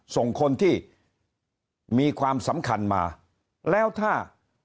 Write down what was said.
ส่งคนที่มีความสำคัญมาแล้วถ้า